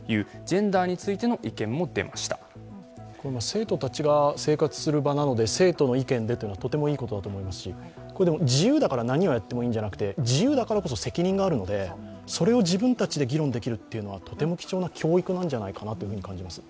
生徒たちが生活する場なので生徒の意見でというのは、とてもいいことだと思いますし自由だから何をやってもいいんじゃなくて、自由だからこそ責任があるのでそれを自分たちで議論できるのはとても貴重な教育なんじゃないかと思います。